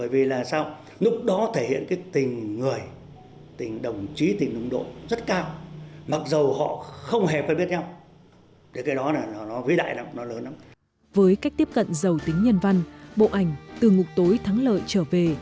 với cách tiếp cận giàu tính nhân văn bộ ảnh từ ngục tối thắng lợi trở về